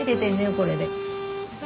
これで。